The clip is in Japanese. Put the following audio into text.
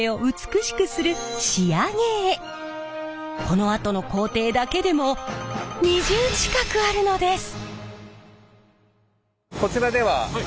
このあとの工程だけでも２０近くあるのです。